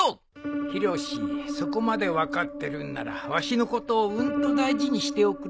ヒロシそこまで分かってるんならわしのことをうんと大事にしておくれ。